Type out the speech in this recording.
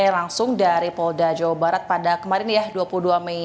langsung dari polda jawa barat pada kemarin ya dua puluh dua mei